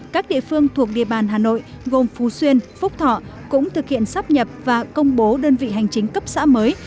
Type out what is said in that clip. các địa phương thuộc địa bàn hà nội gồm phú xuyên phúc thọ cũng thực hiện sắp nhập và công bố đơn vị hành chính cấp xã mới